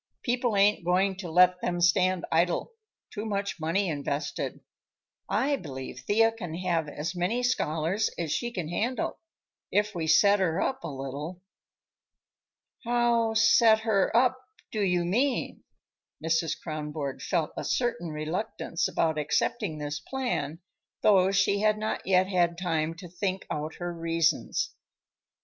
People ain't going to let them stand idle; too much money invested. I believe Thea can have as many scholars as she can handle, if we set her up a little." "How set her up, do you mean?" Mrs. Kronborg felt a certain reluctance about accepting this plan, though she had not yet had time to think out her reasons.